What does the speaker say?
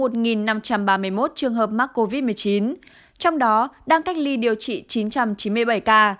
trong một năm trăm ba mươi một trường hợp mắc covid một mươi chín trong đó đang cách ly điều trị chín trăm chín mươi bảy ca